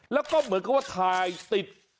แล้วก็เหมือนกับว่าถ่ายติด